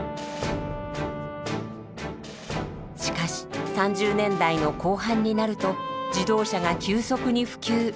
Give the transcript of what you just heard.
しかし３０年代の後半になると自動車が急速に普及。